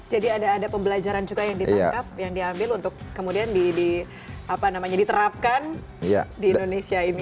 jadi ada pembelajaran juga yang ditangkap yang diambil untuk kemudian diterapkan di indonesia ini